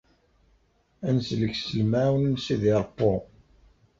Ad neslek s lemɛawna n Sidi Ṛebbi!